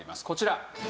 こちら。